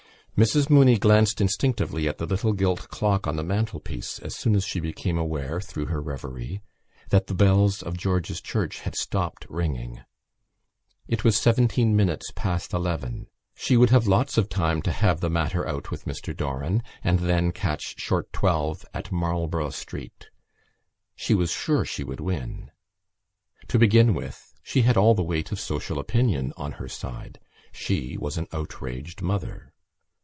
Mrs Mooney glanced instinctively at the little gilt clock on the mantelpiece as soon as she had become aware through her revery that the bells of George's Church had stopped ringing. It was seventeen minutes past eleven: she would have lots of time to have the matter out with Mr Doran and then catch short twelve at Marlborough Street. She was sure she would win. To begin with she had all the weight of social opinion on her side: she was an outraged mother.